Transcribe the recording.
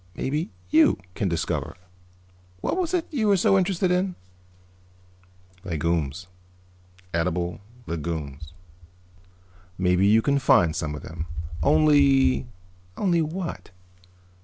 Maybe you can discover what was it you were so interested in?" "Legumes. Edible legumes." "Maybe you can find some of them. Only " "Only what?"